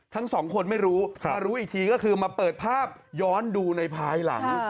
ทั้งสองคนไม่รู้มารู้อีกทีก็คือมาเปิดภาพย้อนดูในภายหลัง